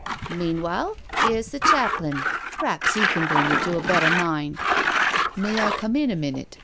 Meanwhile,, here's the chaplain — p'raps he can bring you to a better mind." " May, I come in a minute?"